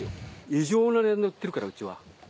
異常な値で売ってるからうちは。